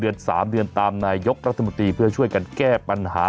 เดือน๓เดือนตามนายกรัฐมนตรีเพื่อช่วยกันแก้ปัญหา